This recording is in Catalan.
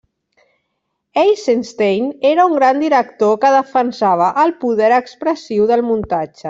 Eisenstein era un gran director que defensava el poder expressiu del muntatge.